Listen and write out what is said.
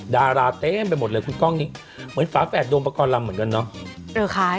ดาราเต็มไปหมดเลยคุณกล้องนี้เหมือนฝาแฝดโดมประกอบรำเหมือนกันเนาะ